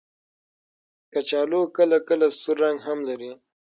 کچالو کله کله سور رنګ هم لري